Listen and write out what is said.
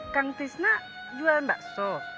kang tisnak jual mbak so